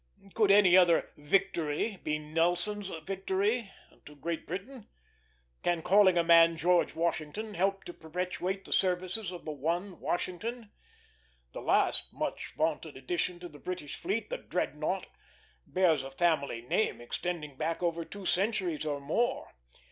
Could any other Victory be Nelson's Victory to Great Britain? Can calling a man George Washington help to perpetuate the services of the one Washington? The last much vaunted addition to the British fleet, the Dreadnaught, bears a family name extending back over two centuries, or more.